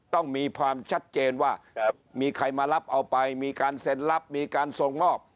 ต้องมีความชัดเจนว่ามีใครมารับเอาไปมีการเซ็นรับมีการส่งมอบ